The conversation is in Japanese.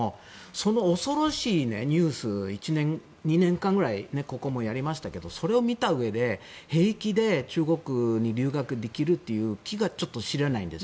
その恐ろしいニュース１、２年間ぐらいやりましたけどそれを見たうえで平気で中国に留学できる気がちょっと知れないんです。